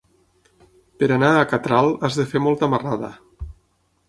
Per anar a Catral has de fer molta marrada.